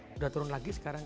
sudah turun lagi sekarang